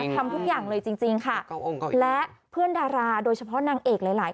ทำทุกอย่างเลยจริงค่ะและเพื่อนดาราโดยเฉพาะนางเอกหลายหลาย